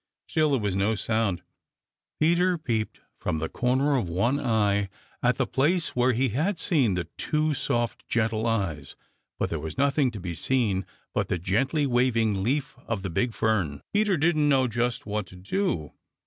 Still there was no sound. Peter peeped from the corner of one eye at the place where he had seen the two soft, gentle eyes, but there was nothing to be seen but the gently waving leaf of the big fern. Peter didn't know just what to do.